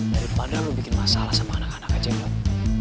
daripada lo bikin masalah sama anak anak aja yang